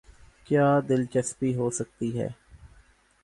کیا دلچسپی ہوسکتی ہے۔